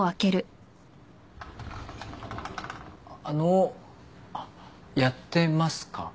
ああのあっやってますか？